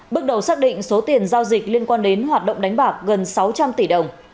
bước đầu xác định số tiền giao dịch liên quan đến hoạt động đánh bạc gần sáu trăm linh tỷ đồng